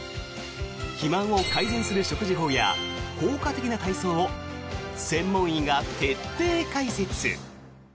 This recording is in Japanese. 肥満を改善する食事法や効果的な体操を専門医が徹底解説。